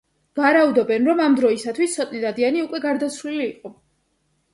ვარაუდობენ, რომ ამ დროისათვის ცოტნე დადიანი უკვე გარდაცვლილი იყო.